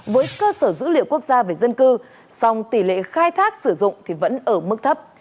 với cơ sở dữ liệu quốc gia về dân cư song tỷ lệ khai thác sử dụng thì vẫn ở mức thấp